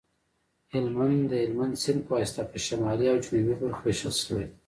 هلمند د هلمند سیند په واسطه په شمالي او جنوبي برخو ویشل شوی دی